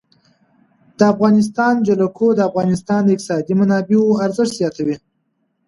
د افغانستان جلکو د افغانستان د اقتصادي منابعو ارزښت زیاتوي.